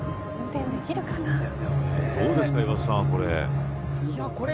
どうですか、岩田さんこれ。